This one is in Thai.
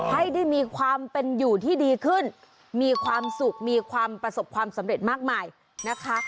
ให้ได้มีความเป็นอยู่ที่ดีขึ้นมีความสุขมีความประสบความสำเร็จมากมายนะคะ